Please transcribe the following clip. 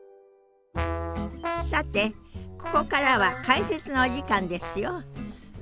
さてここからは解説のお時間ですよ。